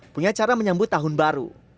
punya cara menyambut tahun baru